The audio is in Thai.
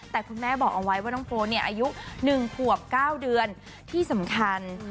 แต่คุณแม่บอกเอาไว้ว่าน้องโฟนเนี่ยอายุ๑ขวบ๙เดือนที่สำคัญ